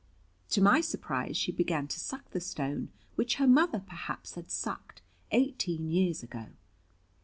To my surprise she began to suck the stone, which her mother perhaps had sucked, eighteen years ago.